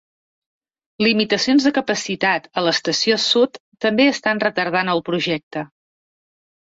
Limitacions de capacitat a l'Estació Sud també estan retardant el projecte.